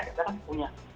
kita kan punya